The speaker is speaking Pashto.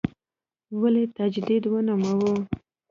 ولې تجدید ونوموو.